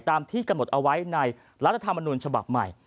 ตามที่กำหนดเอาไว้ในรัฐธรรมนุนฉบับใหม่